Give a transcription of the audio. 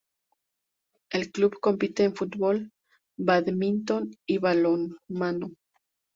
El club compite en fútbol, badminton y balonmano.